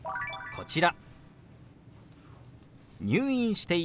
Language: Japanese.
こちら。